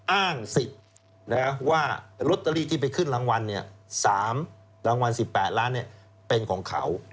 อ้างสิทธิ์ว่าลอตเตอรี่ที่ไปขึ้นรางวัล๓รางวัล๑๘ล้านเป็นของเขา